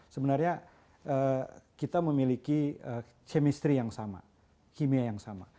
sebenarnya kita memiliki chemistry yang sama kimia yang sama